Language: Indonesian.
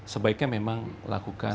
sebaiknya memang lakukan